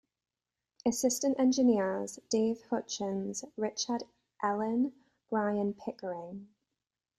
Assistant engineers: Dave Hutchins, Richard Elen, Brian Pickering.